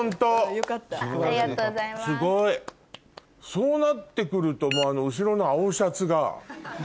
そうなって来ると後ろの青シャツが。